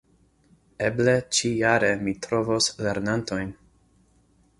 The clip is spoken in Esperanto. Eble ĉijare mi trovos lernantojn.